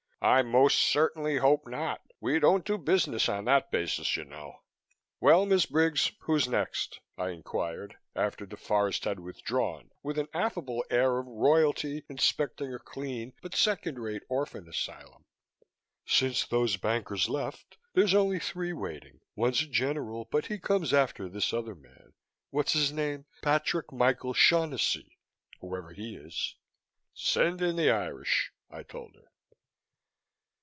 "I most certainly hope not. We don't do business on that basis, you know." "Well, Miss Briggs, who's next?" I inquired, after DeForest had withdrawn with the affable air of royalty inspecting a clean but second rate orphan asylum. "Since those bankers left, there's only three waiting. One's a general but he comes after this other man, what's his name, Patrick Michael Shaughnessy, whoever he is." "Send in the Irish," I told her.